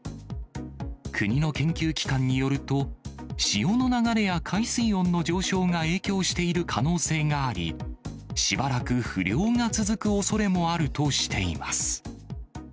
国の研究機関によると、潮の流れや海水温の上昇が影響している可能性があり、しばらく不漁が続くおそれもあるとしています。